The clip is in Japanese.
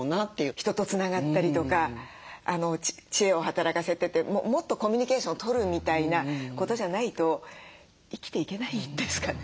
人とつながったりとか知恵を働かせてもっとコミュニケーションをとるみたいなことじゃないと生きていけないんですかね？